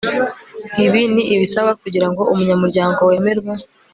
ibi ni ibisabwa kugira ngo umunyamuryango wemerwe